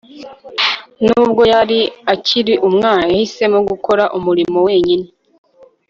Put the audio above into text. nubwo yari akiri umwana, yahisemo gukora umurimo wenyine